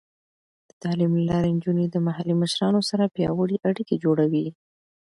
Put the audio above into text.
د تعلیم له لارې، نجونې د محلي مشرانو سره پیاوړې اړیکې جوړوي.